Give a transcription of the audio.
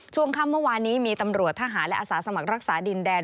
ช่วงค่ำเมื่อวานนี้มีตำรวจทหารและอาสาสมัครรักษาดินแดน